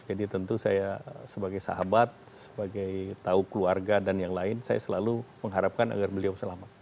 jadi tentu saya sebagai sahabat sebagai tahu keluarga dan yang lain saya selalu mengharapkan agar beliau selamat